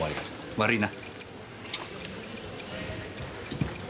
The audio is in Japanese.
悪いな。